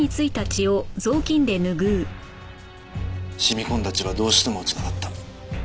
染み込んだ血はどうしても落ちなかった。